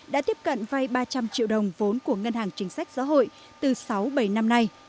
đã tiếp cận vay ba trăm linh triệu đồng vốn của ngân hàng chính sách xã hội từ sáu bảy năm nay